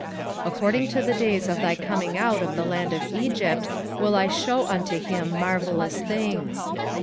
7:15 According to the days of thy coming out of the land of Egypt will I shew unto him marvellous things.